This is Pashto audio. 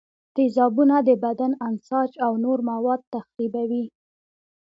تیزابونه د بدن انساج او نور مواد تخریبوي.